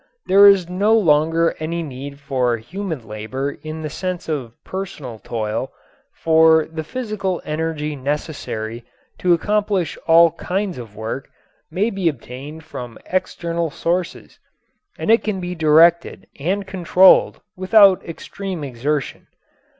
There is no longer any need for human labor in the sense of personal toil, for the physical energy necessary to accomplish all kinds of work may be obtained from external sources and it can be directed and controlled without extreme exertion.